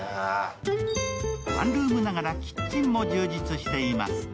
ワンルームながらキッチンも充実しています。